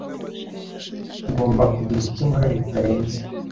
Ngomba kugira icyo nkora bitarenze.